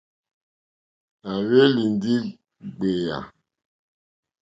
Nà hwélì ndí ɡbèyà.